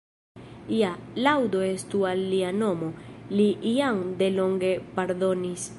Ja, laŭdo estu al Lia Nomo, Li jam de longe pardonis.